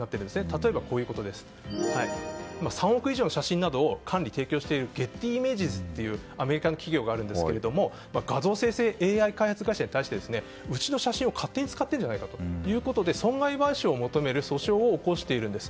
例えばこちら３億以上の写真などを管理・提供しているゲッティイメージズというアメリカの企業があるんですが画像生成ＡＩ開発会社に対してうちの写真を勝手に使っているじゃないかと損害賠償を求める訴訟を起こしているんです。